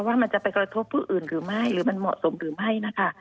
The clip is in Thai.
ว่ามันจะไปกระทบผู้อื่นหรือไม่หรือมันเหมาะสมหรือไม่นะคะ